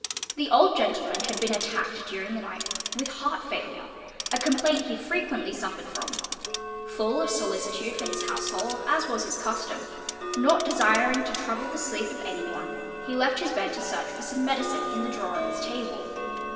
The old gentleman had been attacked during the night with heart failure, a complaint he frequently suffered from; full of solicitude for his house hold, as was his custom, not desiring to trouble the sleep of any one, he left his bed to search for some medicine in the drawer of his table.